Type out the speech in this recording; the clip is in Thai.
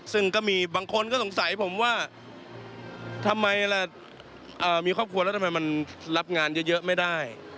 ซึ่งก็มีบางคนก็สงสัยผมว่าทำไมล่ะมีครอบครัวแล้วทำไมมันรับงานเยอะไม่ได้